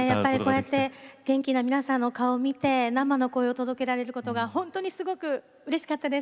元気な皆さんの顔を見て生の声を届けられることがすごくうれしかったです。